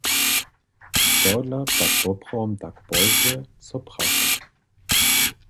Čehodla pak poprawom tak pozdźe, so prašam.